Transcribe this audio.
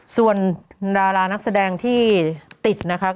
ส่วนดารานักแสดงที่ติดนะคะ